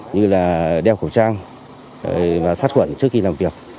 như là đeo khẩu trang và sát khuẩn trước khi làm việc